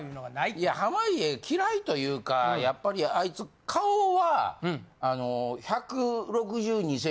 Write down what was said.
いや濱家嫌いというかやっぱりあいつ顔は。